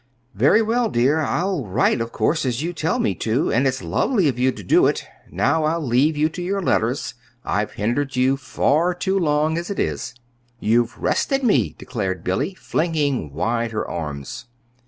"Very well, dear. I'll write, of course, as you tell me to; and it's lovely of you to do it. Now I'll leave you to your letters. I've hindered you far too long, as it is." "You've rested me," declared Billy, flinging wide her arms.